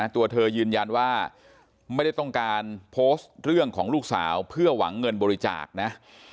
ตัวเธอยืนยันว่าไม่ได้ต้องการโพสต์เรื่องของลูกสาวเพื่อหวังเงินบริจาคนะ